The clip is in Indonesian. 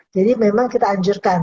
jadi memang kita anjurkan